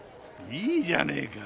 いいじゃねえか。